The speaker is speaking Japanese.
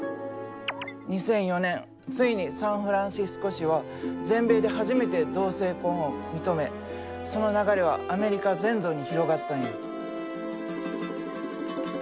２００４年ついにサンフランシスコ市は全米で初めて同性婚を認めその流れはアメリカ全土に広がったんや。